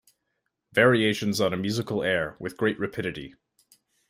Variations on a musical air With great rapidity.